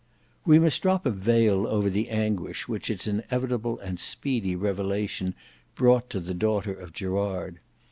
We must drop a veil over the anguish which its inevitable and speedy revelation brought to the daughter of Gerard.